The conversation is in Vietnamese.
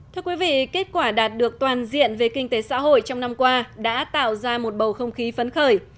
thưa quý vị kết quả đạt được toàn diện về kinh tế xã hội trong năm qua đã tạo ra một bầu không khí phấn khởi